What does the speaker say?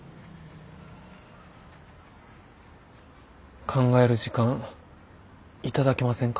考える時間頂けませんか。